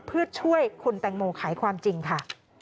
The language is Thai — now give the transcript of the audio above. เพื่อช่วยคุณแตงโมขายความจริงค่ะ